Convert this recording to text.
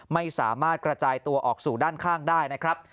ไม่สามารถกระจายตัวออกสู่ด้านข้างได้นะครับ